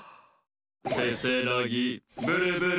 せせらぎブルブル。